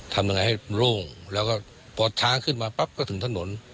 ทำยังไงให้โล่งแล้วก็พอช้างขึ้นมาปั๊บก็ถึงถนน